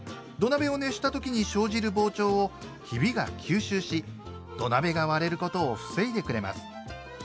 土鍋を熱した時に生じる膨張をひびが吸収し土鍋が割れることを防いでくれます。